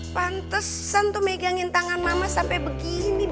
pantesan tuh megangin tangan mama sampai begini